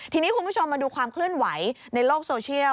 ทีนี้คุณผู้ชมมาดูความเคลื่อนไหวในโลกโซเชียล